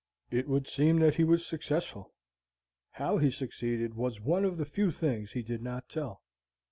It would seem that he was successful. How he succeeded was one of the few things he did not tell.